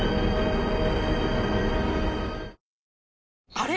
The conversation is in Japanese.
あれ？